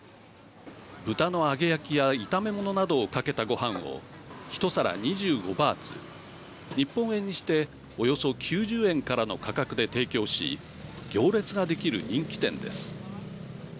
豚の揚げ焼きや炒め物などをかけたご飯を１皿、２５バーツ日本円にしておよそ９０円からの価格で提供し行列ができる人気店です。